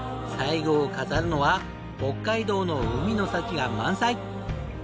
最後を飾るのは北海道の海の幸が満載！